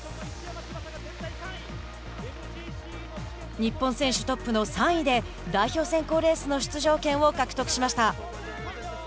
日本選手トップの３位で代表選考レースの出場権を獲得しました。